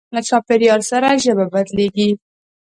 له چاپېریال سره ژبه بدلېږي.